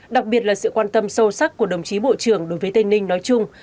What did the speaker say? đặc biệt là sự quan tâm sâu sắc của đồng chí bộ trưởng đối với tây ninh nói chung